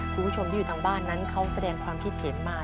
คุณผู้ชมที่อยู่ทางบ้านนั้นเขาแสดงความคิดเห็นมา